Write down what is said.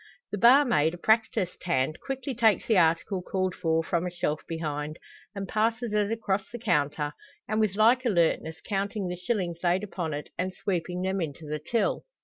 The barmaid, a practised hand, quickly takes the article called for from a shelf behind, and passes it across the counter, and with like alertness counting the shillings laid upon it, and sweeping them into the till.